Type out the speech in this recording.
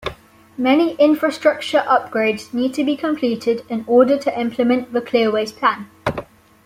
Many infrastructure upgrades need to be completed in order to implement the Clearways plan.